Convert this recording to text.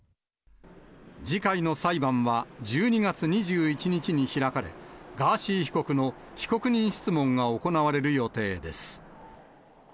次回の裁判は１２月２１日に開かれ、ガーシー被告の被告人質問が行われる予定です。